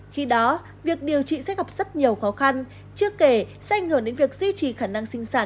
khi đó việc điều trị sẽ gặp rất nhiều khó khăn chưa kể sẽ ảnh hưởng đến việc duy trì khả năng sinh sản